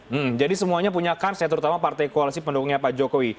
hmm jadi semuanya punya kans ya terutama partai koalisi pendukungnya pak jokowi